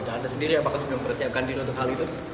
anda sendiri apakah sudah mempersiapkan diri untuk hal itu